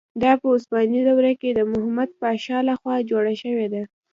دا په عثماني دوره کې د محمد پاشا له خوا جوړه شوې ده.